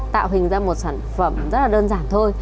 tạo hình ra một sản phẩm rất là đơn giản thôi